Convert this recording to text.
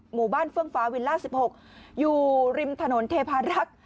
หมู่บ้านเฟื่องฟ้าวิลล่า๑๖อยู่ริมถนนเทพารักษ์